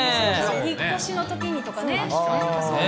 引っ越しのときにとかね。